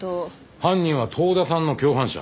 犯人は遠田さんの共犯者。